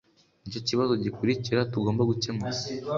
Nicyo kibazo gikurikira tugomba gukemura